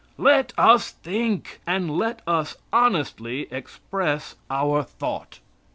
Let us think, and let us honestly express our thought.